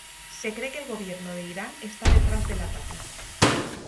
Se cree que el gobierno de Irán está detrás del ataque.